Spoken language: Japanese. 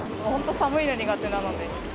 本当、寒いの苦手なので。